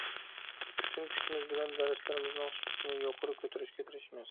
پۈتۈن كۈچىمىز بىلەن دەرسلىرىمىزنىڭ سۈپىتىنى يۇقىرى كۆتۈرۈشكە تىرىشىمىز.